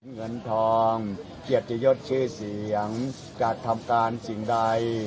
เงินทองเกียรติยศชื่อเสียงการทำการสิ่งใด